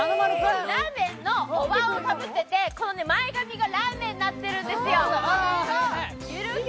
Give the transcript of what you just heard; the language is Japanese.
ラーメンのおわんをかぶってて前髪がラーメンになってるんですよ。